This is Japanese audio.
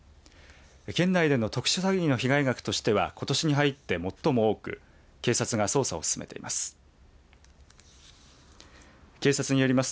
県内での特殊詐欺の被害額としてはことしに入って最も多く警察が捜査を進めています。